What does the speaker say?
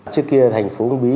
trước kia thành phố hùng bí